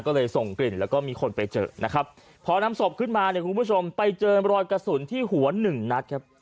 ก็เลยส่งกลิ่นแล้วก็มีคนไปเจอนะครับพอนำศพขึ้นมาเนี่ยคุณผู้ชมไปเจอรอยกระสุนที่หัวหนึ่งนัดครับ